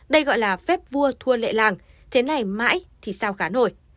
đây gọi là phép vua thua lệ làng thế này mãi thì sao khá nổi